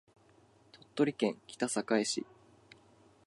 鳥取県北栄町